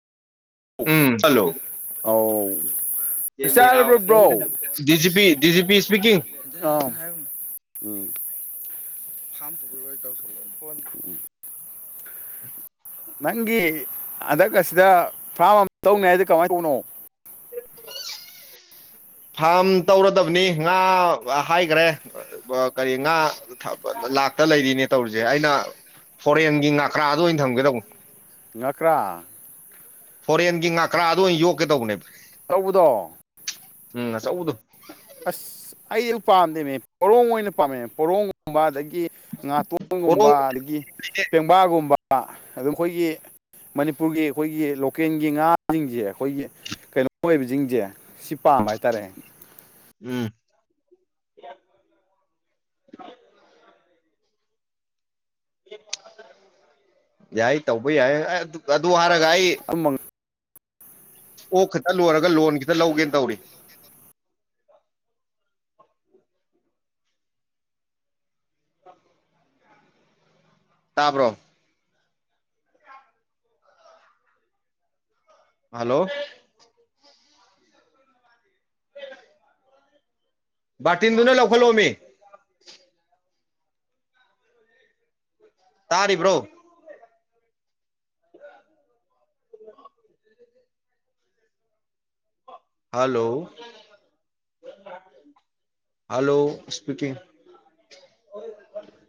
ꯎꯝ ꯆꯜꯂꯣ ꯑꯧ ꯆꯥꯛ ꯆꯥꯔꯕ꯭ꯔꯣ bro [unintelligible] ꯗꯤꯖꯤ P D G P speaking ꯎꯝ ꯐꯥꯝ ꯇꯨꯕꯨ ꯂꯣꯏ ꯇꯧꯁꯜꯂ ꯍꯣꯠꯅꯤ [inaudible] ꯅꯪꯒꯤ ꯍꯟꯗꯛ ꯑꯁꯤꯗ ꯐꯥꯝ ꯑꯃ ꯇꯧꯅꯤ ꯍꯥꯏꯖ‌ꯦ ꯀꯃꯥꯏꯅ ꯇꯧꯕꯅꯣ [unintelligible] ꯐꯥꯝ ꯇꯧꯔꯗꯕꯅꯤ ꯉꯥ ꯍꯥꯏꯈ꯭ꯔꯦ ꯀꯔꯤ ꯉꯥ ꯂꯥꯛꯇ ꯂꯩꯔꯤꯅꯦ ꯇꯧꯔꯤꯁꯦ ꯑꯩꯅ ꯐꯣꯔꯦꯟꯒꯤ ꯉꯥꯀ꯭ꯔꯥꯗ ꯑꯣꯏꯅ ꯊꯝꯒꯦꯇꯧꯕꯅꯦ꯫ ꯉꯀ꯭ꯔꯥ ꯐꯣꯔꯦꯟꯒꯤ ꯉꯥꯀ꯭ꯔꯥꯗ ꯑꯣꯏꯅ ꯌꯣꯛꯀꯦ ꯇꯧꯕꯅꯦꯕ ꯇꯧꯕꯗꯣ ꯎꯝ ꯑꯆꯧꯕꯗꯣ꯫ ꯑꯁ ꯑꯩ ꯑꯗꯨ ꯄꯥꯝꯗꯦꯃꯦ ꯄꯣꯔꯣꯡ ꯑꯣꯏꯅ ꯄꯥꯝꯃꯦ ꯄꯣꯔꯣꯡꯒꯨꯝꯕ ꯑꯗꯒꯤ ꯉꯥꯇꯣꯟꯒꯨꯝꯕ ꯄꯣꯔꯣꯡ ꯑꯗꯒꯤ ꯄꯦꯡꯕꯥꯒꯨꯝꯕ ꯑꯗꯨꯝ ꯑꯩꯈꯣꯏꯒꯤ ꯃꯅꯤꯄꯨꯔꯒꯤ ꯑꯩꯈꯣꯏꯒꯤ ꯂꯣꯀꯦꯜꯒꯤ ꯉꯥꯁꯤꯡꯁꯦ ꯑꯩꯈꯣꯏꯒꯤ ꯀꯩꯅꯣ ꯑꯣꯏꯕꯁꯤꯡꯁꯦ ꯁꯤ ꯄꯥꯝꯕ ꯍꯥꯏꯇꯥꯔꯦ꯫ ꯎꯝ꯫ ꯌꯥꯏ ꯇꯧꯕ ꯌꯥꯏ ꯑꯗꯨ ꯍꯥꯏꯔꯒ ꯑꯩ꯫ ꯑꯃꯃꯪ ꯑꯣꯛ ꯈꯤꯇ ꯂꯣꯏꯔꯒ ꯂꯣꯟ ꯈꯤꯇ ꯂꯧꯒꯦꯅ ꯇꯧꯔꯤ꯫ ꯇꯥꯕ꯭ꯔꯣ꯫ ꯍꯜꯂꯣ꯫ ꯕꯥꯇꯤꯟꯗꯨꯅ ꯂꯧꯈꯠꯂꯣꯃꯤ꯫ ꯇꯥꯔꯤꯕ꯭ꯔꯣ꯫ Hello hello speaking.